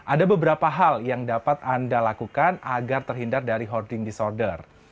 ada beberapa hal yang dapat anda lakukan agar terhindar dari hoarding disorder